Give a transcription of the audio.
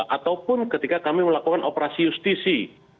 ataupun ketika kami melakukan operasi justisi